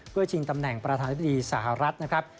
เพื่อชิงตำแหน่งประธานธิบดีสหรัฐนะครับ